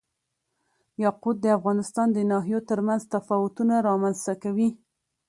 یاقوت د افغانستان د ناحیو ترمنځ تفاوتونه رامنځ ته کوي.